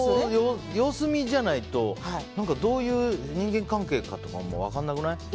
様子見じゃないとどういう人間関係かとかも分からなくない？